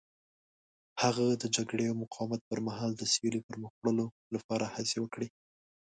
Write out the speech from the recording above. هغه د جګړې او مقاومت پر مهال د سولې پرمخ وړلو لپاره هڅې وکړې.